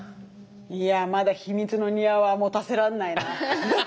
いやまだ秘密の庭は持たせらんないな。